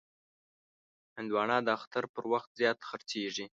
هندوانه د اختر پر وخت زیات خرڅېږي.